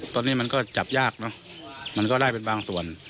ตอนนี้มันก็จับยากเนอะมันก็ได้เป็นบางส่วน